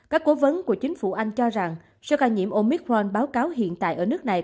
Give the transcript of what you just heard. các cố vấn của chính phủ anh cho rằng số ca nhiễm omic fron báo cáo hiện tại ở nước này